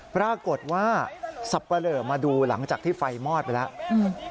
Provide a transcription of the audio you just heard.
ปรากฏว่าสับปะเหลอมาดูหลังจากที่ไฟมอดไปแล้ว